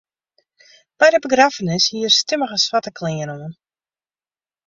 By de begraffenis hie er stimmige swarte klean oan.